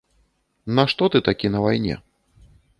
На што ты такі на вайне?